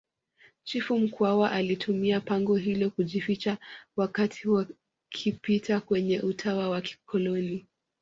chifu mkwawa alitumia pango hilo kujificha wakati wa vipita kwenye utawa wa kikoloni